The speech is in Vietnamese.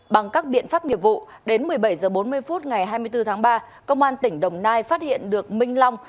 bằng các biện pháp nghiệp vụ đến một mươi bảy h bốn mươi phút ngày hai mươi bốn tháng ba công an tỉnh đồng nai phát hiện được minh long